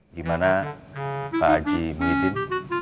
gimana pak aji muhyiddin